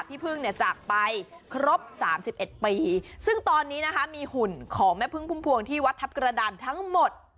พี่พึ่งเนี่ยจากไปครบสามสิบเอ็ดปีซึ่งตอนนี้นะคะมีหุ่นของแม่พึ่งพุ่มพวงที่วัดทัพกระดานทั้งหมด